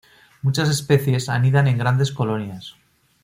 Muchas especies anidan en grandes colonias.